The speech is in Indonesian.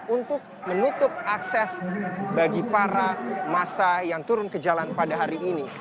untuk menutup akses bagi para masa yang turun ke jalan pada hari ini